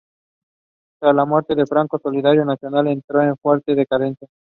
Tras la muerte de Franco, "Solidaridad Nacional" entró en una fuerte decadencia.